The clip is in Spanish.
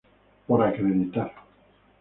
Por acreditar.